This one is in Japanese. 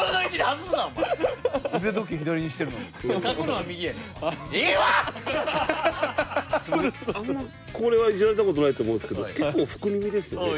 あんまこれはイジられた事ないと思うんですけど結構福耳ですよね？